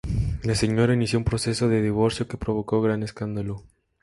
La señora inició un proceso de divorcio que provocó gran escándalo.